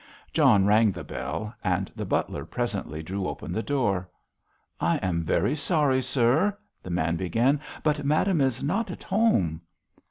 John rang the bell, and the butler presently drew open the door. "I am very sorry, sir," the man began, "but madame is not at home."